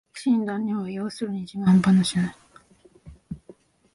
苦心談は要するに自慢ばなしだ